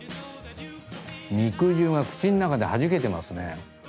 肉汁が口の中ではじけてますね。